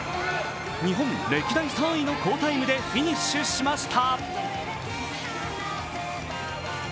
日本歴代３位の好タイムでフィニッシュしました。